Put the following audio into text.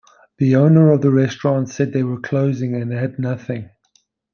The owner of the restaurant said they were closing and had nothing.